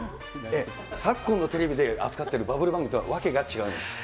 昨今のテレビで扱ってるバブル番組とは訳が違います。